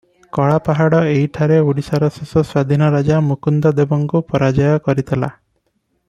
କଳାପାହାଡ଼ ଏହିଠାରେ ଓଡ଼ିଶାର ଶେଷ ସ୍ୱାଧୀନରାଜା ମୁକୁନ୍ଦଦେବଙ୍କୁ ପରାଜୟ କରିଥିଲା ।